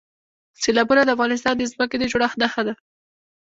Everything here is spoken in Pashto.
سیلابونه د افغانستان د ځمکې د جوړښت نښه ده.